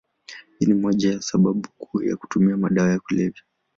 Hii ni moja ya sababu kuu ya kutumia madawa ya kulevya.